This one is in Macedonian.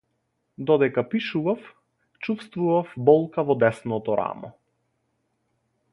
Додека пишував чуствував болка во десното рамо.